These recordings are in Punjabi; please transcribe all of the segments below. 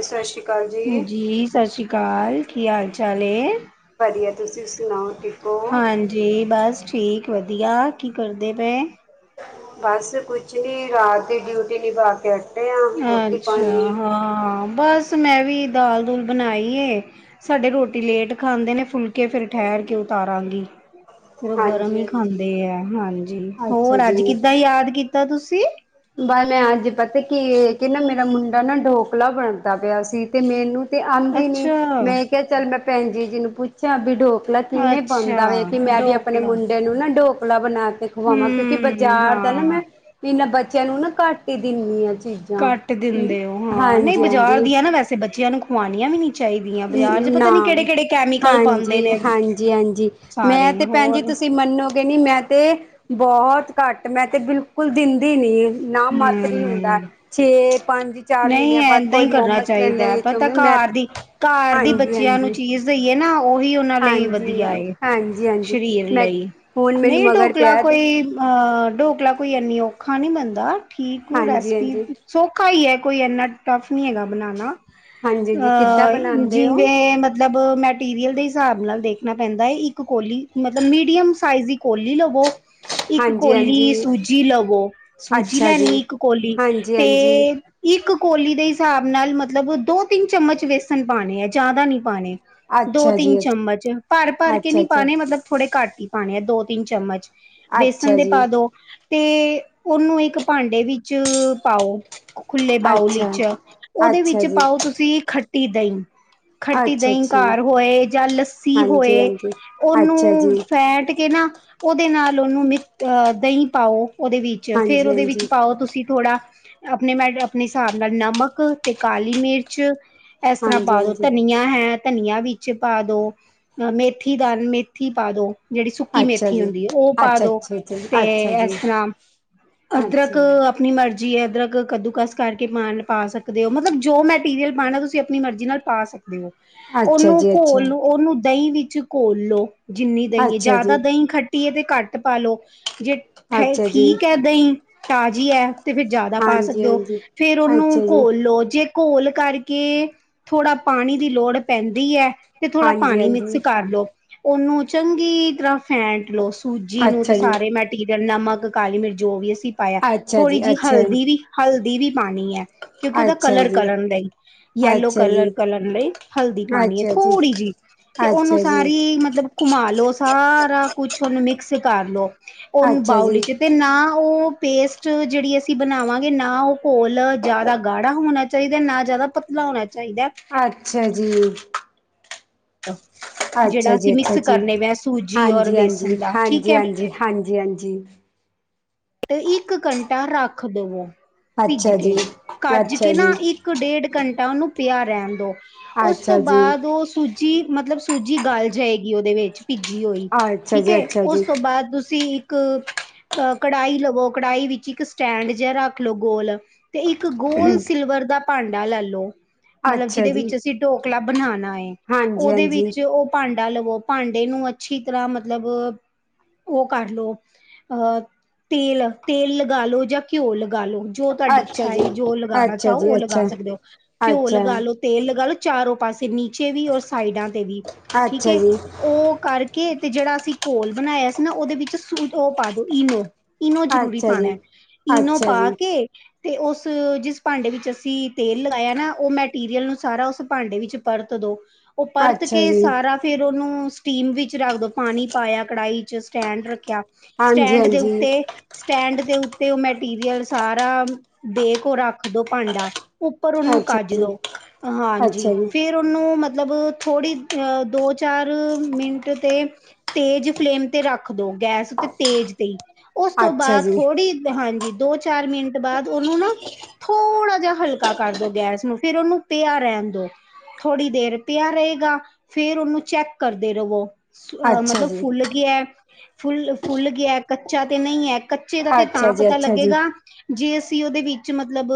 ਸਤਿ ਸ਼੍ਰੀ ਅਕਾਲ ਜੀ ਸਛੀ ਕਾਲ ਕੀ ਹਾਲ ਚਾਲ ਏ? ਵਧੀਆ ਤੁਸੀਂ ਸੁਣਾਓ ਠੀਕ ਹੋ ਹਾਂਜੀ ਬਸ ਠੀਕ ਵਧੀਆ ਕੀ ਕਰਦੇ ਪਏ? ਬਸ ਕੁਛ ਨੀ ਰਾਤ ਦੀ ਡਿਊਟੀ ਨਿਭਾ ਕੇ ਹ ਅੱਛਾ ਹਾਂ-ਹਾਂ ਬਸ ਮੈਂ ਵੀ ਦਾਲ-ਦੁਲ ਬਣਾਈ ਏ ਸਾਡੇ ਰੋਟੀ ਲੇਟ ਖਾਂਦੇ ਨੇ ਫੁਲਕੇ ਫੇਰ ਠੈਰ ਕੇ ਉਤਾਰਾਂਗੀ ਫਿਰ ਓ ਗਰਮ ਹਾਂਜੀ ਹੀ ਹਾਂਜੀ ਖਾਂਦੇ ਐ ਹਾਂਜੀ ਅੱਛਾ ਹੋਰ ਜੀ ਅੱਜ ਕਿੱਦਾਂ ਯਾਦ ਕੀਤਾ ਤੁਸੀਂ? ਅੱਜ ਪਤਾ ਕੀ ਏ ਨਾ ਮੇਰਾ ਮੁੰਡਾ ਨਾ ਢੋਕਲਾ ਬਣਦਾ ਪਿਆ ਸੀ ਤੇ ਮੈਨੂੰ ਤੇ ਆਦੀ ਨੀ, ਅੱਛਾ ਮੈਂ ਕੇਆ ਚੱਲ ਮੈਂ ਭੈਣ ਜੀ-ਜੀ ਨੂੰ ਪੁੱਛਾਂ ਕਿ ਡੋਕ ਕਲਾ ਕਿਵੇਂ ਅੱਛਾ ਬਣਦਾ ਵ ਕਿ ਮੈਂ ਵੀ ਆਪਣੇ ਡੋਕਲਾ ਮੁੰਡੇ ਨੂੰ ਨਾ ਢੋਕਲਾ ਬਣਾ ਕੇ ਖਵਾਵਾਂ ਕਿਉਂਕਿ ਹੂੰ ਬਾਜ਼ਾਰ ਦਾ ਨਾ ਹਾਂ ਮੈਂ, ਏਨਾਂ ਬੱਚਿਆਂ ਨੂੰ ਨਾ ਘੱਟ ਹੀ ਦੇਨੀ ਆ ਚੀਜ਼ਾਂ ਕੱਟ ਦਿੰਦੇ ਓ ਹਾਂ, ਨਈ ਹਾਂਜੀ ਬਜ਼ਾਰ ਦੀਆਂ ਨਾ ਵੈਸੇ ਬੱਚਿਆਂ ਨੂੰ ਖਵਾਣੀਆਂ ਹੀ ਨੀ ਚਾਹੀਦੀਆਂ ਬਾਜ਼ਾਰ ਚ ਪਤਾ ਨੀ ਕਿਹੜੇ ਨ ਕਿਹੜੇ ਕੈਮੀਕਲ ਪਾਉਂਦੇ ਨੇ ਹਾਂਜੀ-ਹਾਂਜੀ-ਹਾਂਜੀ ਮੈਂ ਸਾਰੇ ਤੇ ਭੈਣ ਜੀ ਹੋਰ ਤੁਸੀਂ ਮੰਨੋ ਗੇ ਨੀ ਮੈਂ ਤੇ ਬਹੁਤ ਘੱਟ ਮੈਂ ਤੇ ਬਿਲਕੁਲ ਦੇਦੀ ਨੀ ਨਾ ਮਾਤਰ ਈ ਹੁੰਦਾ ਹਮ ਛੇ ਪੰਜ ਚਾਰ ਨਹੀਂ ਮੀਨਿਆਂ ਬਾਅਦ ਏਦਾਂ ਕੋਈ ਹੀ ਮੋਮਸ ਲੈ ਲ ਚ ਮੈਂ ਘਾਰ ਦੀ ਹਾਂਜੀ ਬੱਚਿਆਂ ਨੂੰ ਹਾਂਜੀ ਚੀਜ਼ ਦੇਈਏ ਨਾ ਓਹੀ ਓਨਾਂ ਲਈ ਹਾਂਜੀ ਵਧੀਆ ਏ, ਹਾਂਜੀ ਹਾਂਜੀ ਸਰੀਰ ਮੈਂ ਲਈ। ਹੁਣ ਮੈਨੂੰ ਨਈ ਮਗਰ ਢੋਕਲਾ ਪਿਆ ਤੇ ਕੋਈ ਆ ਢੋਕਲਾ ਕੋਈ ਇੰਨੀ ਔਖਾ ਨੀ ਬਣਦਾ ਠੀਕ ਹਾਂਜੀ ਰੈਸਪੀ ਹਾਂਜੀ ਸੌਖਾ ਈ ਐ ਕੋਈ ਐਨਾ ਟਫ ਨੀ ਹੈਗਾ ਬਣਾਣਾ ਹਾਂਜੀ ਹਾਂਜੀ ਕਿੱਦਾਂ ਅਆ ਬਣਾਉਂਦੇ ਹੋ ਜਿਵੇਂ ਮਤ ਮਤਲਬ ਮੈਟੀਰੀਅਲ ਦੇ ਹਿਸਾਬ ਨਾਲ ਦੇਖਣਾ ਪੈਂਦਾ ਏ ਇੱਕ ਕੌਲੀ ਮਤਲਬ ਮੀਡੀਅਮ ਸਾਈਜ਼ ਦੀ ਕੋਲੀ ਲਵੋ। ਇੱਕ ਹਾਂਜੀ ਕੋਲੀ ਹਾਂਜੀ ਸੂਜੀ ਲਵੋ, ਸੂਜੀ ਅੱਛਾ ਲੈਣੀ ਜੀ ਇੱਕ ਕੋਲੀ, ਹਾਂਜੀ ਤੇ ਹਾਂਜੀ ਇੱਕ ਕੋਲੀ ਦੇ ਹਿਸਾਬ ਨਾਲ ਮਤਲਬ ਦੋ-ਤਿੰਨ ਚਮਚ ਵੇਸਨ ਪਾਣੇ ਆ, ਜਾਦਾ ਨੀ ਪਾਣੇ। ਅੱਛਾ ਦੋ-ਤਿੰਨ ਜੀ ਚਮਚ, ਅੱਛਾ ਭਰ-ਭਰ ਕੇ ਅੱਛਾ ਨੀ ਅੱਛਾ ਪਾਣੇ ਮਤਲਬ ਥੋੜੇ ਘੱਟ ਈ ਪਾਣੇ ਆ ਦੋ-ਤਿੰਨ ਚਮਚ, ਵੇਸਣ ਅੱਛਾ ਦੇ ਜੀ ਪਾ ਦੋ। ਤੇ, ਓਨੂੰ ਇੱਕ ਭਾਂਡੇ ਵਿੱਚ ਪਾਓ। ਖੁੱਲੇ ਬਾਊਲ ਅੱਛਾ ਵਿੱਚ, ਓਦੇ ਅੱਛਾ ਵਿੱਚ ਜੀ ਪਾਓ ਤੁਸੀਂ ਖੱਟੀ ਦਈ ਖੱਟੀ ਅੱਛਾ ਦਈ ਜੀ ਘਰ ਹੋਏ ਜਾਂ ਲੱਸੀ ਹਾਂਜੀ ਹੋਏ ਹਾਂਜੀ ਅੱਛਾ ਓਨੂੰ ਜੀ ਫੈਟ ਕੇ ਨਾ ਓਦੇ ਨਾਲ ਓਨੂੰ ਮਿਕ ਅ ਆ ਦਈ ਪਾਓ ਓਦੇ ਵਿੱਚ ਫੇਰ ਹਾਂਜੀ ਓਦੇ ਵਿੱਚ ਹਾਂਜੀ ਪਾਓ ਤੁਸੀਂ ਥੋੜਾ, ਆਪਣੇ ਨਾਲ ਆਪਣੇ ਸਾਬ ਨਾਲ ਨਮਕ ਤੇ ਕਾਲੀ ਮਿਰਚ ਐਸ ਤਰਾ ਹਾਂਜੀ ਪਾ ਦੋ ਹਾਂਜੀ ਧਨੀਆ ਹੈ ਧਨੀਆ ਵਿੱਚ ਪਾ ਦੋ, ਅ ਮੇਥੀ ਦ ਮੇਥੀ ਪਾ ਦੋ। ਜੇੜੀ ਸੁੱਕੀ ਅੱਛਾ ਮੇਥੀ ਜੀ ਹੁੰਦੀ ਏ ਓਪਾ ਅੱਛਾ ਦੋ ਅੱਛਾ ਜੀ ਤੇ ਇਸ ਤਰ੍ਹਾਂ ਅੱਛਾ ਅਦਰਕ ਜੀ ਅ ਪਣੀ ਮਰਜ਼ੀ ਏ ਅਦਰਕ ਕੱਦੂਕਸ ਕਰਕੇ ਪਾਉਣ ਪਾ ਸਕਦੇ ਹੋ ਮਤਲਬ ਜੋ ਮੈਟੀਰੀਅਲ ਪਾਉਣਾ ਤੁਸੀਂ ਆਪਣੀ ਮਰਜ਼ੀ ਨਾਲ ਪਾ ਸਕ ਦੇ ਓ, ਅੱਛਾ ਅੱਛਾ ਓਨੂੰ ਜੀ ਅੱਛਾ ਘੋਲ ਨੂੰ ਓਨੂੰ ਦਈ ਵਿੱਚ ਘੋਲ ਲੋ। ਜਿੰਨੀ ਦਈਂ ਏ ਅੱਛਾ ਜੀ ਜਾਦਾ ਦਈਂ ਖੱਟੀ ਏ ਤੇ ਘੱਟ ਪਾ ਲੋ ਜੇ ਠ ਅੱਛਾ ਜੀ ਠੀਕ ਏ ਦਈਂ ਤਾਜ਼ੀ ਐ ਤੇ ਫਿਰ ਜਾਦਾ ਪਾ ਹਾਂਜੀ ਸਕਦੇ ਓ ਹਾਂਜੀ ਫੇਰ ਓਨੂੰ ਅੱਛਾ ਜੀ ਘੋਲ ਲੋ ਜੇ ਘੋਲ ਕਰਕੇ ਥੋੜ੍ਹਾ ਪਾਣੀ ਦੀ ਲੋੜ ਪੈਂਦੀ ਐ ਤੇ ਥੋੜ੍ਹਾ ਹਾਂਜੀ ਪਾਣੀ ਹਾਂਜੀ ਮਿਕਸ ਕਰ ਲੋ, ਓਨੂੰ ਚੰਗੀ ਤਰ੍ਹਾਂ ਫੈਂਟ ਲੋ ਸੂਜੀ ਨੂੰ ਤੇ ਅੱਛਾ ਜੀ ਸਾਰੇ ਮੈਟੀਰੀਅਲ ਨਮਕ ਕਾਲੀ ਮਿਰਚ ਜੋ ਵੀ ਅਸੀਂ ਪਾਇਆ ਅੱਛਾ ਥੋੜ੍ਹੀ ਜੀ ਅੱਛਾ ਹਲਦੀ ਵੀ ਹਲਦੀ ਵੀ ਪਾਨੀ ਹੈ ਕਿਉਂਕਿ ਉਹਦਾ ਅੱਛਾ ਕਲਰ ਕਰਨ ਲਈ, ਯੈਲੋ ਕਲਰ ਜੀ ਕਰਨ ਲਈ ਹਲਦੀ ਪਾਣੀ ਹੈ, ਅੱਛਾ ਜੀ ਥੋੜ੍ਹੀ ਜਿਹੀ। ਤੇ ਅੱਛਾ ਉਹਨੂੰ ਜੀ ਸਾਰੀ ਮਤਲਬ ਘੁਮਾ ਲੋ ਸਾਰਾ ਕੁਛ ਉਹਨੂੰ ਮਿਕਸ ਕਰ ਲੋ। ਉਹਨੂੰ ਅੱਛਾ ਜੀ ਅੱਛਾ ਜੀ ਬਾਊਲੀ ਚ ਤੇ ਨਾ ਉਹ। ਪੇਸਟ ਜਿਹੜੀ ਅਸੀਂ ਬਣਾਵਾਂਗੇ। ਨਾ ਉਹ ਘੋਲ ਜਿਆਦਾ ਗਾੜਾ ਹੋਣਾ ਚਾਹੀਦਾ ਨਾ ਜ਼ਿਆਦਾ ਪਤਲਾ ਲਾ ਹੋਣਾ ਚਾਹੀਦਾ ਅੱਛਾ ਜੀ। ਜਿਹੜਾ ਅੱਛਾ ਜੀ ਅਸੀਂ ਅੱਛਾ ਮਿਕਸ ਜੀ ਕਰਨੇ ਪਏ, ਸੂਜੀ ਔਰ ਬੇਸਨ ਦਾ ਠੀਕ ਹੈ। ਹਾਂਜੀ-ਹਾਂਜੀ ਇੱਕ ਘੰਟਾ ਰੱਖ ਦੋ, ਭਿੱਜ ਕੇ, ਹਾਂਜੀ ਕੱਜ ਅੱਛਾ ਕੇ ਨਾ ਜੀ ਇੱਕ ਇੱਕ ਡੇਢ ਘੰਟਾ ਉਹਨੂੰ ਪਿਆ ਰਹਿਣ ਦੋ। ਉਸ ਤੋਂ ਅੱਛਾ ਜੀ ਬਾਅਦ ਉਹ ਸੂ ਜੀ ਮਤਲਬ, ਸੂਜੀ ਗੱਲ ਜਾਏਗੀ ਉਹਦੇ ਵਿੱਚ ਭਿੱਜੀ ਹੋਈ। ਅੱਛਾ ਠੀਕ ਜੀ ਹੈ ਅੱਛਾ ਉਸ ਜੀ ਤੋਂ ਬਾਅਦ ਤੁਸੀਂ ਇੱਕ ਕਢਾਹੀ ਲਵੋ ਕੜਾਹੀ ਵਿੱਚ ਇੱਕ ਸਟੈਂਡ ਜਿਹਾ ਰੱਖ ਲੋ। ਗੋਲ ਤੇ ਇੱਕ ਗੋਲ ਸਿਲਵਰ ਦਾ ਭਾਂਡਾ ਲੈ ਲੋ। ਮਤਲਬ ਅੱਛਾ ਜਿਹਦੇ ਜੀ ਅੱਛਾ ਜੀ ਵਿੱਚ ਅਸੀਂ ਢੋਕਲਾ ਬਣਾਣਾ ਹੈ। ਹਾਂਜੀ ਉਹਦੇ ਹਾਂਜੀ ਵਿੱਚ ਉਹ ਭਾਂਡਾ ਲਵੋ, ਭਾਂਡੇ ਨੂੰ ਅੱਛੀ ਤਰ੍ਹਾਂ ਮਤਲਬ ਉਹ ਕਰ ਲੋ, ਅਹ ਤੇਲ, ਤੇਲ ਲਗਾ ਲੋ ਜਾਂ ਘਿਓ ਲਗਾ ਲੋ। ਜੋ ਤੁਹਾਡੀ ਅੱਛਾ ਇੱਛਾ ਜੀ ਹੈ ਜੋ ਲਗਾਉਣਾ ਅੱਛਾ ਚਾਹੋ ਜੀ ਉਹ ਲਗਾ ਅੱਛਾ ਸਕਦੇ ਹੋ। ਘਿਓ ਅੱਛਾ ਲਗਾ ਲੋ ਤੇਲ ਲਗਾ ਲੋ ਚਾਰੋ ਪਾਸੇ ਨੀਚੇ ਵੀ ਔਰ ਸਾਈਡਾਂ ਤੇ ਵੀ ਠੀਕ ਅੱਛਾ ਹੈ। ਜੀ ਉਹ ਕਰਕੇ। ਤੇ ਜਿਹੜਾ ਅਸੀਂ ਘੋਲ ਬਣਾਇਆ ਸੀ ਨਾ ਉਹਦੇ ਵਿੱਚ ਸ ਉਹ ਪਾ ਦੋ ਇਨੋ। ਇਨੋ ਜ਼ਰੂਰੀ ਅੱਛਾ ਜੀ ਪਾਉਣਾ। ਇਨੋ ਅੱਛਾ ਪਾ ਜੀ ਕੇ ਤੇ, ਉਸ ਜਿਸ ਭਾਂਡੇ ਵਿੱਚ ਅਸੀਂ ਤੇਲ ਲਗਾਇਆ ਨਾ ਉਹ ਮੈਟੀਰੀਅਲ ਨੂੰ ਸਾਰਾ ਉਸ ਭਾਂਡੇ ਵਿੱਚ ਪਰਤ ਦੋ, ਉਹ ਪਰਤ ਅੱਛਾ ਕੇ ਜੀ ਸਾਰਾ ਫੇਰ ਉਹਨੂੰ ਸਟੀਮ ਵਿੱਚ ਰੱਖ ਦੋ, ਪਾਣੀ ਪਾਇਆ ਕੜਾਹੀ ਚ ਸਟੈਂਡ ਰੱਖਿਆ, ਹਾਂਜੀ ਸਟੈਂਡ ਦੇ ਹਾਂਜੀ ਉੱਤੇ ਸਟੈਂਡ ਦੇ ਉੱਤੇ ਉਹ ਮਟੀਰੀਅਲ ਸਾਰਾ ਦੇਕੇ ਰੱਖ ਦੋ ਭਾਂਡਾ ਉੱਪਰ ਉਹਨੂੰ ਅੱਛਾ ਕੱਜ ਜੀ ਦੋ। ਅੱਛਾ ਹਾਂਜੀ ਫਿਰ ਜੀ ਫਿਰ ਉਹਨੂੰ ਮਤਲਬ ਥੋੜ੍ਹੀ ਦੋ ਚਾਰ ਮਿੰਟ ਤੇ ਤੇਜ ਫਲੇਮ ਤੇ ਰੱਖ ਦੋ। ਗੈਸ ਤੇ ਤੇਜ ਤੇ ਹੀ ਉਸ ਤੋਂ ਅੱਛਾ ਬਾਅਦ ਜੀ ਥੋੜ੍ਹੀ, ਹਾਂਜੀ ਦੋ ਚਾਰ ਮਿੰਟ ਬਾਅਦ ਉਹਨੂੰ ਨਾ ਥੋੜ੍ਹਾ ਜਿਹਾ ਹਲਕਾ ਕਰ ਦੋ ਗੈਸ ਨੂੰ। ਫੇਰ ਉਹਨੂੰ ਪਿਆ ਰਹਿਣ ਦੋ। ਥੋੜ੍ਹੀ ਦੇਰ ਪਿਆ ਰਹੇਗਾ। ਫੇਰ ਉਹਨੂੰ ਚੈੱਕ ਕਰਦੇ ਰਵੋ, ਆ ਅੱਛਾ ਮਤਲਬ ਜੀ ਫੁੱਲ ਗਿਆ। ਫੁੱਲ, ਫੁੱਲ ਗਿਆ ਕੱਚਾ ਤੇ ਨਹੀਂ ਹੈ। ਕੱਚੇ ਦਾ ਤੇ ਅੱਛਾ ਤਾਂ ਜੀ ਪਤਾ ਅੱਛਾ ਜੀ ਲੱਗੇਗਾ ਜੇ ਅਸੀਂ ਉਹਦੇ ਵਿੱਚ ਮਤਲਬ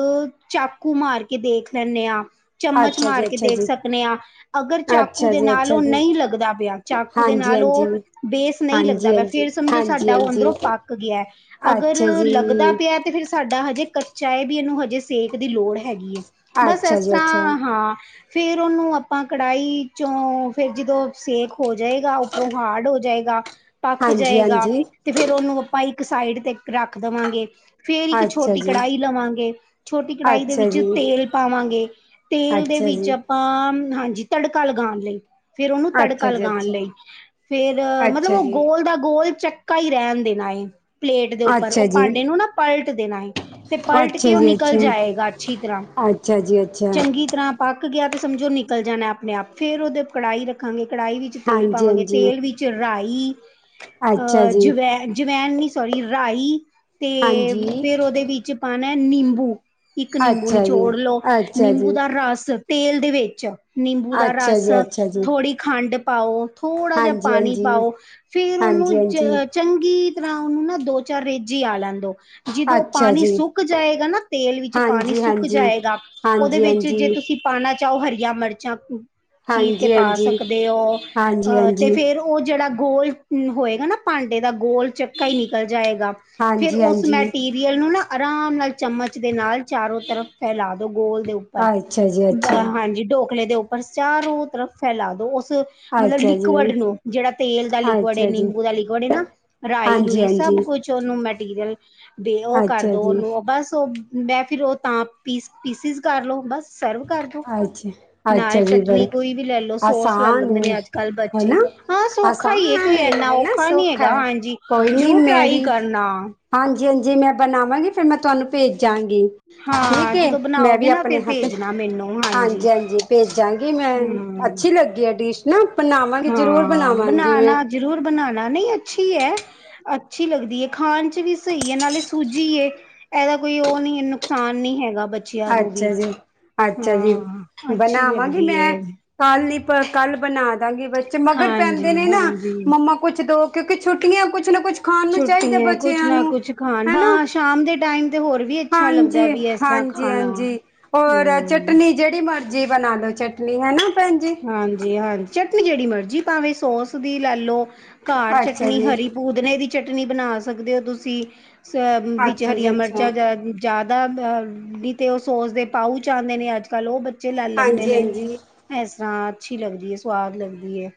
ਚਾਕੂ ਮਾਰ ਕੇ ਦੇਖ ਲੈਣੇ ਹਾਂ ਚਮਚ ਅੱਛਾ ਮਾਰ ਕੇ ਦੇਖ ਜੀ ਸਕਨੇ ਹਾਂ। ਅਗਰ ਚਾਕੂ ਅੱਛਾ ਜੀ ਅੱਛਾ ਦੇ ਜੀ ਨਾਲ ਅੱਛਾ ਉਹ ਜੀ ਨਹੀਂ ਲੱਗਦਾ ਪਿਆ। ਚਾਕੂ ਦੇ ਹਾਂਜੀ ਨਾਲ ਹਾਂਜੀ ਉਹ ਬੇਸ ਨਹੀਂ ਹਾਂਜੀ ਲੱਗਦਾ ਪਿਆ। ਹਾਂਜੀ ਫੇਰ ਸਮਝੋ ਹਾਂਜੀ ਸਾਡਾ ਉਹ ਹਾਂਜੀ ਅੰਦਰੋਂ ਪੱਕ ਗਿਆ ਹੈ। ਅਗਰ ਅੱਛਾ ਲੱਗਦਾ ਜੀ ਪਿਆ ਤੇ ਫਿਰ ਸਾਡਾ ਹਜੇ ਕੱਚਾ ਐ ਵੀ ਇਹਨੂੰ ਹਜੇ ਸੇਕ ਦੀ ਲੋੜ ਹੈਗੀ ਹੈ ਬਸ ਅੱਛਾ ਇਸ ਜੀ ਅੱਛਾ ਤਰ੍ਹਾਂ ਹਾਂ। ਫੇਰ ਉਹਨੂੰ ਆਪਾਂ ਕੜਾਹੀ ਚੋਂ ਫੇਰ ਜਦੋਂ ਸੇਕ ਹੋ ਜਾਏਗਾ ਉਪਰੋ ਹਾਰਡ ਹੋ ਜਾਏਗਾ, ਪੱਕ ਹਾਂਜੀ ਜਾਏਗਾ। ਹਾਂਜੀ ਫਿਰ ਉਹਨੂੰ ਆਪਾਂ ਇੱਕ ਸਾਈਡ ਤੇ ਰੱਖ ਦੇਵਾਂਗੇ ਫੇਰ ਇੱਕ ਅੱਛਾ ਛੋਟੀ ਜੀ ਕੜਾਹੀ ਲਵਾਂਗੇ। ਛੋਟੀ ਕੜਾਹੀ ਦੇ ਅੱਛਾ ਵਿੱਚ ਜੀ ਤੇਲ ਪਾਵਾਂਗੇ। ਤੇਲ ਦੇ ਅੱਛਾ ਵਿੱਚ ਜੀ ਆਪਾਂ ਹਾਂਜੀ ਤੜਕਾ ਲਗਾਉਣ ਲਈ। ਫੇਰ ਉਹਨੂੰ ਤੜਕਾ ਅੱਛਾ ਜੀ ਲਗਾਉਣ ਅੱਛਾ ਲਈ। ਫੇਰ ਮਤਲਬ ਅੱਛਾ ਉਹ ਜੀ ਗੋਲ ਦਾ ਗੋਲ ਚੱਕਾ ਹੀ ਰਹਿਣ ਦੇਣਾ ਐ, ਪਲੇਟ ਦੇ ਉੱਪਰ ਅੱਛਾ ਉਹ ਜੀ ਭਾਂਡੇ ਨੂੰ ਨਾ ਪਲਟ ਦੇਣਾ ਏ। ਤੇ ਪਲਟ ਅੱਛਾ ਕੇ ਉਹ ਜੀ ਨਿਕਲ ਅੱਛਾ ਜਾਏਗਾ ਅੱਛੀ ਤਰ੍ਹਾਂ ਅੱਛਾ ਜੀ ਅੱਛਾ ਚੰਗੀ ਤਰ੍ਹਾਂ ਪੱਕ ਗਿਆ ਤੇ ਸਮਝੋ ਨਿਕਲ ਜਾਣਾ ਐ ਆਪਣੇ ਆਪ, ਫੇਰ ਉਹਦੇ ਕੜਾਹੀ ਰੱਖਾਂਗੇ ਕੜਾਹੀ ਵਿੱਚ ਤੇਲ ਹਾਂਜੀ ਪਾਵਾਂਗੇ, ਹਾਂਜੀ ਤੇਲ ਵਿੱਚ ਰਾਈ ਅੱਛਾ ਜੀ ਅਹਜਵੈ ਇੰਨੀ ਸਾਰੀ ਰਾਈ ਤੇ ਹਾਂਜੀ ਫੇਰ ਉਹਦੇ ਵਿੱਚ ਪਾਉਣਾ ਨਿੰਬੂ। ਇੱਕ ਨਿੰਬੂ ਅੱਛਾ ਜੀ ਨੀਚੋੜ ਲਓ, ਅੱਛਾ ਨਿੰਬੂ ਜੀ ਦਾ ਰਸ ਤੇਲ ਦੇ ਵਿੱਚ। ਨਿੰਬੂ ਦਾ ਅੱਛਾ ਰਸ ਜੀ ਅੱਛਾ ਜੀ ਥੋੜ੍ਹੀ ਖੰਡ ਪਾਓ, ਥੋੜ੍ਹਾ ਜਿਹਾ ਹਾਂਜੀ ਪਾਣੀ ਹਾਂਜੀ ਪਾਓ। ਫੇਰ ਹਾਂਜੀ ਉਹਨੂੰ ਹਾਂਜੀ ਚੰਗੀ ਤਰ੍ਹਾਂ, ਉਹਨੂੰ ਨਾ ਦੋ ਚਾਰ ਰੇਜ਼ੀ ਆ ਲੈਂਨ ਦੋ। ਜਦੋਂ ਅੱਛਾ ਪਾਣੀ ਜੀ ਸੁੱਕ ਜਾਏਗਾ ਨਾ ਤੇਲ ਵਿੱਚ, ਪਾਣੀ ਹਾਂਜੀ ਸੁੱਕ ਹਾਂਜੀ ਜਾਏਗਾ, ਉਹਦੇ ਹਾਂਜੀ ਵਿੱਚ ਜੇ ਹਾਂਜੀ ਤੁਸੀਂ। ਪਾਉਣਾ ਚਾਹੋ ਹਰੀਆਂ ਮਿਰਚਾਂ ਚੀਰ ਕੇ ਹਾਂਜੀ ਪਾ ਸਕਦੇ ਹੋ, ਹਾਂਜੀ ਅ ਤੇ ਹਾਂਜੀ ਫੇਰ ਓ। ਉਹ ਜਿਹੜਾ ਗੋਲ ਹੋਏਗਾ ਨਾ, ਭਾਂਡੇ ਦਾ ਗੋਲ ਚੱਕਾ ਹੀ ਨਿਕਲ ਜਾਏਗਾ। ਫਿਰ ਹਾਂਜੀ ਹਾਂਜੀ ਉਸ ਹਾਂਜੀ ਮੈਟੀਰੀਅਲ ਨੂੰ ਨਾ, ਆਰਾਮ ਨਾਲ ਚਮਚ ਦੇ ਨਾਲ ਚਾਰੋ ਤਰਫ। ਇਹ ਲਾ ਦੋ ਗੋਲ ਦੇ ਉਪਰ ਅੱਛਾ ਜੀ ਅੱਛਾ ਹਾਂਜੀ ਦੋ। ਕਲੇ ਦੇ ਉੱਪਰ ਚਾਰੋ ਤਰਫ ਫੈਲਾ ਦੋ ਉਸ। ਮਤਲਬ ਅੱਛਾ ਜੀ ਲਿਕੁਡ ਨੂੰ ਜਿਹੜਾ ਤੇਲ ਦਾ ਲਿਕੁਡ ਹੈ, ਅੱਛਾ ਜੀ ਨਿੰਬੂ ਦਾ ਲਿਕੁਡ ਹੈ ਨਾ ਰਾਈ। ਹਾਂਜੀ ਇਹ ਹਾਂਜੀ ਸਭ ਕੁਝ ਉਹਨੂੰ ਮਟੀਰੀਅਲ, ਤੇ ਉਹ ਕਰ ਅੱਛਾ ਦੋ ਜੀ ਉਹਨੂੰ ਆ ਸੋ। ਮੈਂ ਫਿਰ ਉਹ ਤਾਂ ਪੀਸ ਪੀਸਿਸ ਕਰ ਲਉ ਬਸ ਸਰਵ। ਕਰਦੋ ਅੱਛਾ ਨਾਲ ਅੱਛਾ ਜੀ ਚਟਨੀ ਬੜੇ ਕੋਈ ਵੀ ਲੈ ਲੋ, ਸੋਸ ਲੈ ਆਸਾਨ ਲੈਂਦੇ ਹੈ ਨੇ ਅੱਜ ਕੱਲ ਹੈ ਬੱਚੇ। ਨਾ ਹਾਂ ਸੌਖਾ ਆਸਾਨ ਹੀ ਹੈ ਕੋਈ ਇਨਾ ਹੈ ਨਾ ਔਖਾ ਨੀ, ਸੁੱਖ ਹੈਗਾ ਹੈ ਹਾਂਜੀ ਕੋਈ ਨਹੀਂ ਜ਼ਰੂਰ ਮੈਂ ਟਰਾਈ ਵੀ ਕਰਨਾ ਹਾਂਜੀ ਹਾਂਜੀ ਮੈਂ ਬਣਾਵਾਂਗੀ। ਫੇਿਰ ਮੈਂ ਤੁਹਾਨੂੰ ਭੇਜਾਂ ਗੀ ਠੀਕ ਹਾਂ ਹੈ, ਜਦੋਂ ਮੈਂ ਵੀ ਬਣਾਓਗੇ ਨਾ ਫਿਰ ਆਪਣੇ ਹੱਥ। ਭੇਜਣਾ ਮੈਨੂੰ। ਹਾਂਜੀ ਹਾਂਜੀ ਭੇਜਾਂਗੀ ਮੈਂ, ਹਮ ਅੱਛੀ ਲੱਗੀ ਆ ਡਿਸ਼ ਨਾ। ਬਣਾਵਾਂਗੀ ਜਰੂਰ ਹਾਂ ਬਣਾਵਾਂਗੀ ਮੈਂ। ਬਣਾਣਾ ਜ਼ਰੂਰ ਬਣਾਉਣਾ ਨਹੀਂ ਅੱਛੀ ਹੈ। ਅੱਛੀ ਲੱਗਦੀ ਹੈ, ਖਾਣ ਚ ਵੀ ਸਹੀਹੈ, ਨਾਲੇ ਸੂਜੀ। ਇਹਦਾ ਕੋਈ ਉਹ ਨਹੀਂ, ਨੁਕਸਾਨ ਨਹੀਂ ਹੈਗਾ ਬੱਚੇ। ਬੱਚਿਆਂ ਨੂੰ ਵੀ ਅੱਛਾ ਜੀ ਅੱਛਾ ਜੀ ਹਾਂ, ਅੱਛੀ ਬਣਾਵਾਂਗੀ ਲੱਗਦੀ ਮੈਂ ਹੈ। ਕੱਲ ਨੀਂ ਕੱਲ ਬਣਾ ਦਾਂ ਗਿ, ਬਚੇ ਮਗਰ ਪੈਂਦੇ ਹਾਂਜੀ ਨੇ ਨਾ ਹਾਂਜੀ ਮਮਾ ਕੁਛ ਦੋ। ਕਿਉਂਕਿ ਛੁੱਟੀਆਂ ਕੁਛ ਨਾ ਕੁਛ ਖਾਣ ਨੂੰ ਛੁੱਟੀ ਚਾਹੀਦਾ, ਹੈ ਕੁਛ ਬੱਚਿਆਂ ਨਾ ਨੂੰ ਕੁਛ ਖਾਣ ਹਨਾ। ਹਾਂ ਸ਼ਾਮ ਦੇ ਟਾਈਮ ਤੇ ਹੋਰ ਵੀ ਅੱਛਾ ਲੱਗਦਾ ਹਾਂਜੀ ਵੀ ਇਸ ਤਰ੍ਹਾਂ ਹਾਂਜੀ। ਜੀ ਖਾਣਾ ਹਾਂਜੀ ਔਰ ਹਮ ਚਟਨੀ ਜਿਹੜੀ ਮਰਜ਼ੀ ਬਣਾ ਲੋ, ਚਟਨੀ ਹੈਾ ਨਾ ਭੈਣ ਜੀ। ਹਾਂਜੀ ਹਾਂਜੀ ਚਟਨੀ ਜਿਹੜੀ ਮਰਜ਼ੀ ਭਾਵੇਂ ਸੋਸ ਦੀ ਲੈ ਲੋ ਘਰ ਅੱਛਾ ਚਟਨੀ ਜੀ ਹਰੀ ਭੂ। ਪਉਦੇਨੇ ਦੀ ਚਟਨੀ ਬਣਾ ਸਕਦੇ ਹੋ, ਤੁਸੀਂ ਅ ਵਿੱਚ ਅੱਛਾ ਜੀ ਹਰੀਆਂ ਅੱਛਾ ਮਿਰਚਾਂ ਜਾਂ। ਜ਼ਿਆਦਾ ਵੀ ਤੇ ਉਹ ਸੋਸ ਦੇ ਪਾਊ ਚ ਆਉਂਦੇ ਨੇ ਅੱਜ ਕੱਲ੍ਹ ਉਹ ਬੱਚੇ ਲੈ ਲੈਂਦੇ ਹਾਂਜੀ ਨੇ। ਹਾਂਜੀ ਇਸ ਤਰ੍ਹਾਂ ਅੱਛੀ ਲੱਗਦੀ ਹੈ, ਸੁਵਾਦ ਲੱਗਦੀ।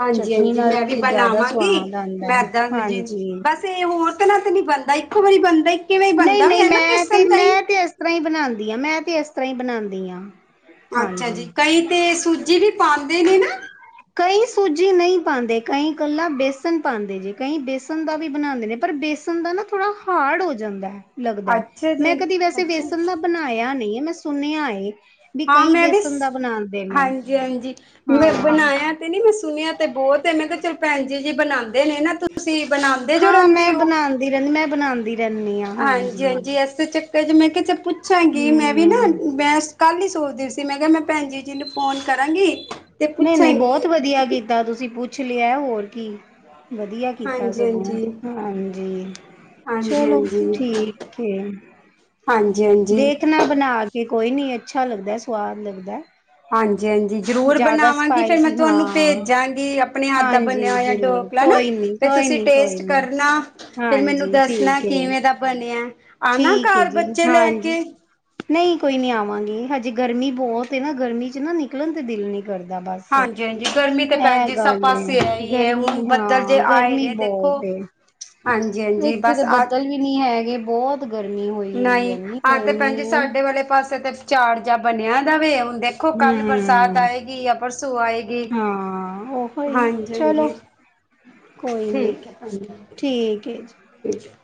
ਹਾਂਜੀ ਚਟਨੀ ਹਾਂਜੀ ਨਾਲ ਮੈਂ ਵੀ ਤੇ ਜ਼ਿਆਦਾ ਬਣਾਵਾਂਗੀ ਸਵਾਦ ਆਉਂਦਾ ਮੈਂ ਹੈ। ਇਏਦਾ ਜੀ ਹਾਂਜੀ ਬਸ। ਤੇ ਹੋਰ ਤੇ ਨਾ ਤੇ ਨੀ ਬਣਦਾ, ਇੱਕੋ ਵਾਰੀ ਬਣਦਾ ਹੀ। ਕਿਵੇਂ ਨਹੀਂ ਬਣਦਾ ਵੀ ਨਹੀਂ ਹੈ ਨਾ ਮੈਂ ਤੇ ਬੇਸਣ ਦਾ ਮੈਂ ਤੇ ਇਸ ਤਰ੍ਹਾਂ ਹੀ ਬਣਾਦੀ ਆਂ, ਮੈਂ ਤੇ ਇਸ ਤਰ੍ਹਾਂ ਹੀ ਬਣਾਉਂਦੀ ਆਂ। ਅੱਛਾ ਜੀ, ਕਈ ਤੇ ਸੂਜੀ ਵੀ ਪਾਉਂਦੇ ਨੇ ਨਾ। ਕਈ ਸੂਝੀ ਨਹੀਂ ਪਾਂਦੇ ਕਈ ਕਲਾਂ ਬੇਸਨ ਪਾਂਦੇ ਨੇ ਕਈ ਬੇਸਨ ਦਾ ਵੀ ਬਣਾਉਂਦੇ ਨੇ ਪਰ। ਦੰਦਾਂ ਨਾ ਥੋੜਾ ਹਾਰਡ ਹੋ ਜਾਂਦਾ ਲੱਗਦਾ ਅੱਛਾ ਜੀ ਮੈਂ, ਕਦੀ ਵੈਸੇ ਅੱਛਾ ਵੇਸਣ ਦਾ। ਬਣਾਇਆ ਨਹੀਂ ਮੈਂ ਸੁਣਿਆ। ਵੀ ਹਾਂ ਕਈ ਮੈਂ ਵੀ ਬੇਸਨ ਦਾ ਬਣਾਉਂਦੇ ਨੇ ਹਾਂਜੀ ਹਾਂਜੀ ਮੈਂ ਹਾਂ ਬਣਾਇਆ ਤੇ, ਨਹੀ ਮੈਂ ਸੁਣਿਆ ਤੇ ਬਹੁਤ ਮੈਂ ਕਿਹਾ ਚਲ। ਭੈਣਜੀ ਜੀ ਬਣਾਉਂਦੇ ਨੇ ਨਾ, ਤੁਸੀਂ ਬਣਾਉਂਦੇ ਜੋ ਰਹਿੰਦੇ ਹੋ। ਦੀਨੇ ਨੀ ਮ ਬਣਾਉਂਦੀ। ਰਹਿੰਦੀ ਹਾਂ ਹਾਂਜੀ ਹਾਂਜੀ ਐਸੇ ਚੱਕਰ ਚ ਮੈਂ, ਕਿਹਾਂ ਚਲ ਪੁੱਛਾਂਗੀ ਮੈਂ ਵੀ ਨਾ। ਹਮ ਕੱਲ ਹੀ ਸੋਚਦੀ ਸੀ ਮੈਂ ਕਿਹਾ ਮੈਂ, ਭੈਹੈਨਜੀ ਜੀ ਜੀ ਨੂੰ ਫੋਨ ਕਰਾਂਗੀ ਤੇ ਪੁੱਛਾਂਗੀ। ਕੱਲ ਤੁਸੀਂ ਪੁੱਛ ਲਿਆ ਹੋਰ ਕੀ। ਵਧੀਆ ਕੀਤਾ ਹਾਂਜੀ ਸਗੋਂ ਹਾਂਜੀ ਹਾਂਜੀ। ਹਾਂਜੀ ਹਾਂਜੀ ਚਲੋ ਠੀਕ ਹੈ। ਹਾਂਜੀ ਹਾਂਜੀ। ਬਣਾ ਕੇ ਕੋਈ ਨਹੀਂ, ਅੱਛਾ ਲੱਗਦਾ ਸਵਾਦ ਲੱਗਦਾ। ਹਾਂਜੀ ਹਾਂਜੀ ਜਰੂਰ ਜ਼ਿਆਦਾ ਬਣਾਵਾਂਗੀ ਫਿਰ, ਮੈਂ ਸਪਾਈਸੀ ਤੁਹਾਨੂੰ ਹਾਂ ਭੇਜਾਂਗੀ। ਆਪਣੇ ਹੱਥ ਦਾ ਹਾਂਜੀ ਭੁੰਨਿਆ ਹੋਇਆ ਜ਼ਰੂਰ ਠੋਕਲਾ ਨਾ ਕੋਈ ਨੀ ਫਿਰ ਕੋਈ ਤੁਸੀਂ ਨੀ ਕੋਈ ਟੇਸਟ ਨੀ ਕਰਨਾ ਫਿਰ ਮੈਨੂੰ ਹਾਂਜੀ ਦੱਸਣਾ ਠੀਕ ਏ ਕਿਵੇਂ ਦਾ ਬਣਿਆ ਆਨਾ ਕਾਰ ਬੱਚੇ ਲੈ ਕੇ। ਨਹੀ ਕੋਈ ਨਹੀ ਆਵਾਂਗੀ ਹਜੇ ਗਰਮੀ ਬਹੁਤ ਏ ਨਾ ਗਰਮੀ ਚ ਨਾ ਨਿਕਲਣ ਤੇ ਦਿਲ ਨਹੀਂ ਕਰਦਾ ਬਸ। ਹਾਂਜੀ ਹਾਂਜੀ ਗਰਮੀ ਤਾਂ ਭੈਣ ਇਹ ਜੀ ਸਭ ਗੱਲ ਏ ਪਾਸ ਇਹ ਹੀ ਹੈ ਹੁਣ ਗਰਮੀ ਬੱਦਲ ਜੇ ਹਾਂ ਆਏ ਗਰਮੀ ਨੇ ਦੇਖੋ। ਬਹੁਤ ਏ ਹਾਂਜੀ ਹਾਂਜੀ ਬਸ ਆ ਨੀ ਹੈਗੇ ਬਹੁਤ ਗਰਮੀ ਹੋ ਨਈ ਆਜ ਤੇ ਭੈਣ ਜੀ ਸਾਡੇ ਵਾਲੇ ਪਾਸੇ ਤੇ ਚਾੜ ਜਆ ਬਣਿਆ ਦਾਵੇ ਹਦੇ ਦੇਖੋ ਕੱਲ ਬਰਸਾਤ ਹੂੰ ਆਏਗੀ ਯਾ ਪਰਸੋਂ ਆਏਗੀ। ੋ ਹੀ ਚਲੋ ਹਾਂਜੀ-ਹਾਂਜੀ ਕੋਈ ਨਹੀਂ ਠੀਕ ਹੈ ਭੈਣ ਜੀ ਠੀਕ ਹੈ ਜੀ। ਠੀਕ ਹੈ।